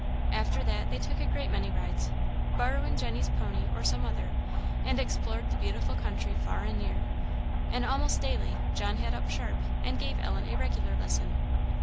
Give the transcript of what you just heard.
After that they took a great many rides, borrowing Jenny's pony or some other, and explored the beautiful country far and near. And almost daily, John had up Sharp and gave Ellen a regular lesson.